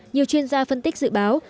nhiều chuyên gia phân tích dự báo